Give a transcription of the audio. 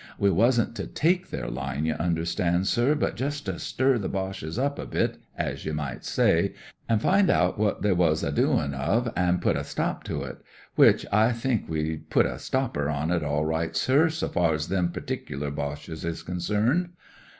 We wasn't to take their line, you under stand, sir, but jus' to stir the Boches up a bit, as ye might say, an' find out what they was a doin' of an' put a stop to it ; which I think we did put a stopper on it all right, sir, so far's them perticler Boches is concerned.